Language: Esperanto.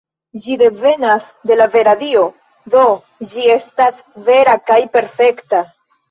Ĝi devenas de la vera Dio, do ĝi estas vera kaj perfekta.